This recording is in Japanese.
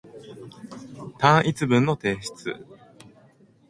単一文の提出